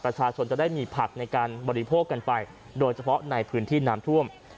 จะได้มีผักในการบริโภคกันไปโดยเฉพาะในพื้นที่น้ำท่วม